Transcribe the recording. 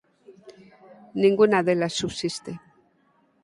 Ningunha delas subsiste.